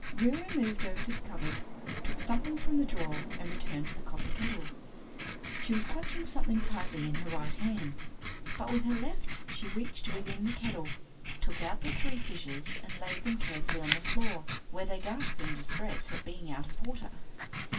Reera moved over to the cupboard, took something from the drawer and returned to the copper kettle. She was clutching something tightly in her right hand, but with her left she reached within the kettle, took out the three fishes and laid them carefully on the floor, where they gasped in distress at being out of water.